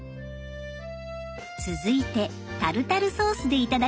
続いてタルタルソースでいただきます。